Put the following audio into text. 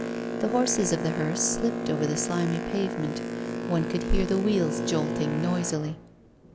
The horses of the hearse slipped over the slimy pavement; one could hear the wheels jolting noisily.